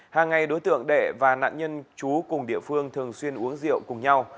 hàng ngày đối tượng đệ và nạn nhân chú cùng địa phương thường xuyên uống rượu cùng nhau